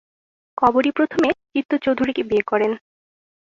কবরী প্রথমে চিত্ত চৌধুরীকে বিয়ে করেন।